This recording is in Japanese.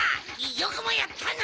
よくもやったな！